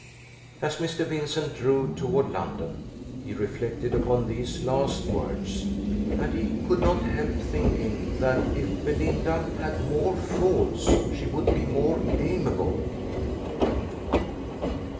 As Mr. Vincent drove toward London he reflected upon these last words; and he could not help thinking that if Belinda had more faults she would be more amiable.